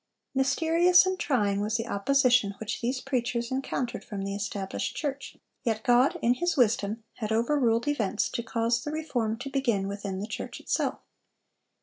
Mysterious and trying was the opposition which these preachers encountered from the established church; yet God, in His wisdom, had overruled events to cause the reform to begin within the church itself.